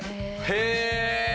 へえ！